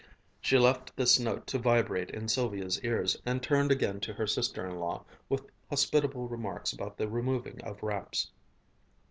She left this note to vibrate in Sylvia's ears and turned again to her sister in law with hospitable remarks about the removing of wraps.